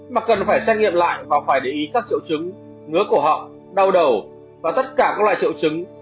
mà cần phải xét nghiệm lại và phải để ý các triệu chứng ngứa của họ đau đầu và tất cả các loại triệu chứng